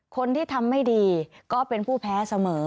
คนที่ทำไม่ดีก็เป็นผู้แพ้เสมอ